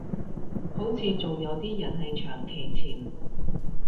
好似仲有啲人係長期潛